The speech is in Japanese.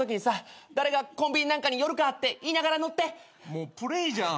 もうプレイじゃん。